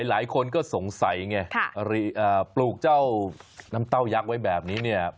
หลายคนก็สงสัยไงปลูกเจ้าน้ำเต้ายักษ์ไว้แบบนี้เนี่ย